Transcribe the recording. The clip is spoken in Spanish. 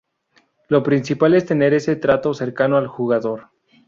Lo principal es tener ese trato cercano al jugador.